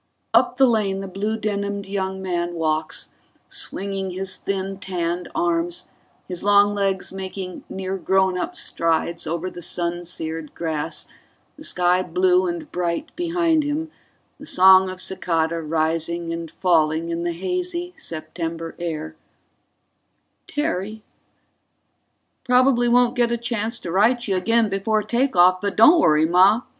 _ Up the lane the blue denimed young man walks, swinging his thin tanned arms, his long legs making near grownup strides over the sun seared grass; the sky blue and bright behind him, the song of cicada rising and falling in the hazy September air _Terry ...__ probably won't get a chance to write you again before take off, but don't worry, Ma.